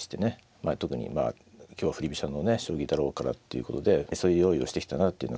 まあ特に今日は振り飛車のね将棋だろうからっていうことでそういう用意をしてきたなっていうのは感じますよね。